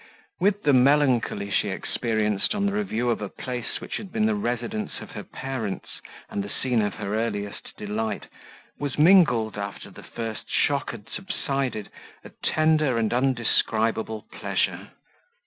With the melancholy she experienced on the review of a place which had been the residence of her parents, and the scene of her earliest delight, was mingled, after the first shock had subsided, a tender and undescribable pleasure.